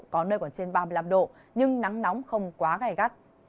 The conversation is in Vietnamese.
có nơi còn trên ba mươi năm độ nhưng nắng nóng không quá gai gắt